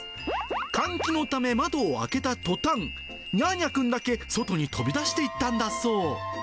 換気のため窓を開けた途端、ニャーニャくんだけ外に飛び出していったんだそう。